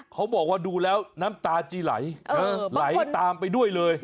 เขาบอกว่าดูแล้วน้ำตาจีไหลตามไปด้วยเลย